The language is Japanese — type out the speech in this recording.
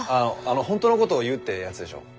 「本当のこと言う」ってやつでしょ？